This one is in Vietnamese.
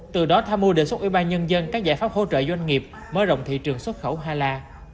từ đó tham mưu đề xuất ubnd các giải pháp hỗ trợ doanh nghiệp mới rộng thị trường xuất khẩu hala